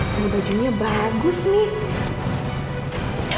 wah bajunya bagus nih